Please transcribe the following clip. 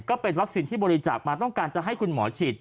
ก็เป็นวัคซีนที่บริจาคมาต้องการจะให้คุณหมอฉีด